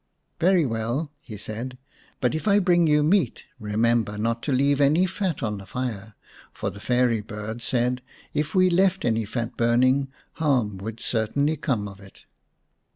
" Very well," he said. " But if I bring you meat remember not to leave any fat on the fire, for the fairy bird said if we left any fat burning harm would certainly come of it."